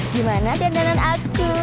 gimana dandanan aku